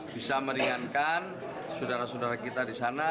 bisa meringankan saudara saudara kita di sana